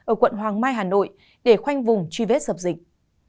ở quận hoàng mai hà nội để khoanh vùng truy vết dập dịch